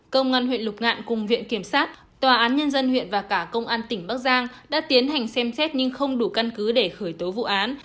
công an huyện lục ngạn cùng viện kiểm sát tòa án nhân dân huyện và cả công an tỉnh bắc giang đã tiến hành xem xét nhưng không đủ căn cứ để khởi tố vụ án